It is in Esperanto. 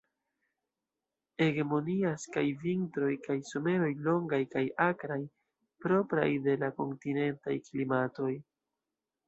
Hegemonias kaj vintroj kaj someroj longaj kaj akraj, propraj de la kontinentaj klimatoj.